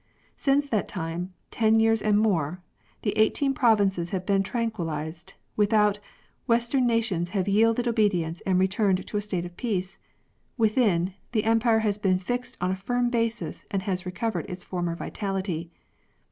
Since that time, ten years and more, the Eighteen Provinces have been tranquillised ; without, western nations have yielded obedience and returned to a state of peace; within, the empire has been fixed on a firm basis and has recovered its former vitality.